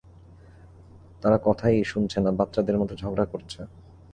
তারা কথাই শুনছে না, বাচ্চাদের মতো ঝগড়া করছে।